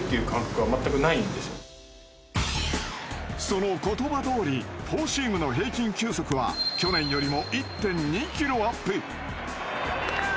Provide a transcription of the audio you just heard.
その言葉どおりフォーシームの平均球速は去年よりも１．２キロアップ。